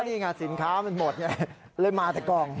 ก็ดีค่ะสินค้ามันหมดเลยมาแต่กล่อง